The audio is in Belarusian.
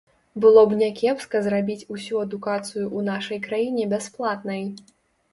Было б някепска зрабіць усю адукацыю ў нашай краіне бясплатнай.